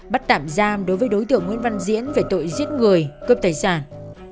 bắt tạm giam đối với đối tượng nguyễn văn diễn về tội giết người cướp tài sản